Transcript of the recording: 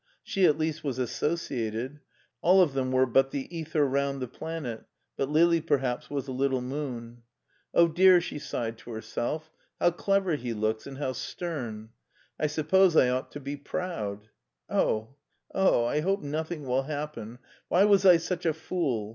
She at least was associated. All of them were but the ether round the planet, but Lili, perhaps, was a little moon. "Oh, dear/' she sighed to herself, "how clever he looks, and how stem! I suppose I ought to be proud. Oh, oh ! I hope nothing will happen — ^why was I such a fool